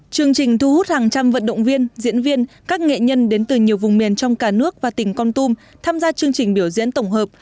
chương trình thu hút hàng trăm vận động viên diễn viên các nghệ nhân đến từ nhiều vùng miền trong cả nước và tỉnh con tum tham gia chương trình biểu diễn tổng hợp